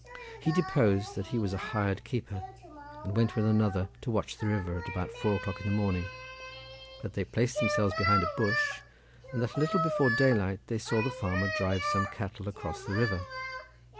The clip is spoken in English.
He deposed that he was a hired keeper, and went with another to watch the river at about four o'clock in the morning; that they placed themselves behind a bush, and that a little before daylight they saw the farmer drive some cattle across the river.